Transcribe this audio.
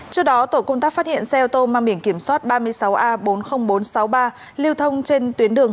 trước đó tổ công tác phát hiện xe ô tô mang biển kiểm soát ba mươi sáu a bốn mươi nghìn bốn trăm sáu mươi ba liều thông trên tuyến đường